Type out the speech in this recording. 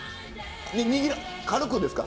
握る軽くですか？